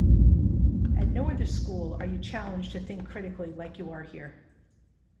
At no other school are you challenged to think critically like you are here.